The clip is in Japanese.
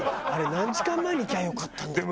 何時間前に行けばよかったんだっけ？」。